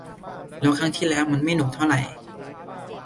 แล้วครั้งที่แล้วมันก็ไม่หนุกเท่าไหร่